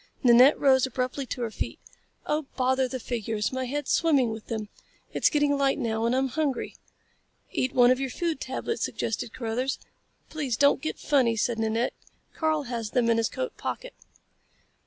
Nanette rose abruptly to her feet. "Oh bother the figures. My head's swimming with them. It's getting light now, and I'm hungry." "Eat one of your food tablets," suggested Carruthers. "Please don't get funny," said Nanette. "Karl has them in his coat pocket."